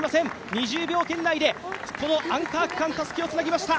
２０秒圏内でアンカー区間、たすきをつなぎました。